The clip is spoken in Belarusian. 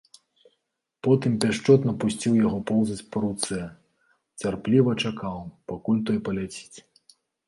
Потым пяшчотна пусціў яго поўзаць па руцэ, цярпліва чакаў, пакуль той паляціць.